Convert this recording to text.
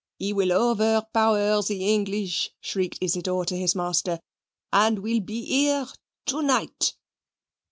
"He will overpower the English," shrieked Isidor to his master, "and will be here to night."